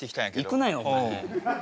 行くなよお前。